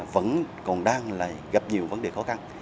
vẫn còn đang gặp nhiều vấn đề khó khăn